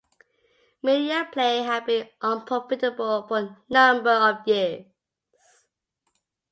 Media Play had been unprofitable for a number of years.